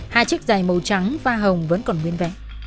hai chiếc giày màu trắng pha hồng vẫn còn nguyên vẽ